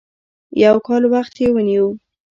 يو کال وخت یې ونیو.